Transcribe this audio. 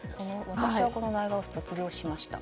私はこの大学を卒業しました。